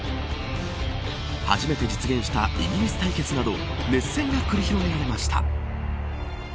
初めて実現したイギリス対決など熱戦が繰り広げられました。